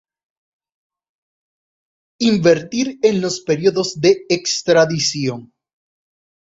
Intervenir en los pedidos de extradición.